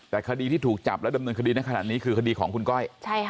แต่คดีที่ถูกจับและดำเนินคดีในขณะนี้คือคดีของคุณก้อย